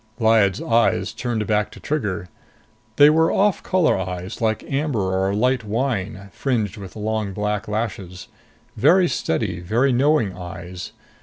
Lyad's eyes turned back to Trigger. They were off color eyes, like amber or a light wine, fringed with long black lashes. Very steady, very knowing eyes.